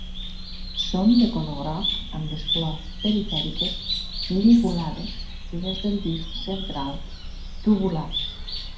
Són de color groc amb les flors perifèriques ligulades i les del disc central tubulars.